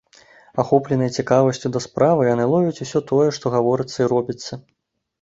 Ахопленыя цікавасцю да справы, яны ловяць усё тое, што гаворыцца і робіцца.